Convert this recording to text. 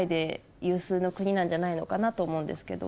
なんじゃないのかなと思うんですけど。